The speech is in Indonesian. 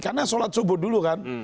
karena sholat subuh dulu kan